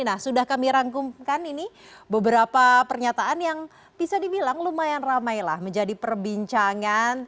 nah sudah kami rangkumkan ini beberapa pernyataan yang bisa dibilang lumayan ramai lah menjadi perbincangan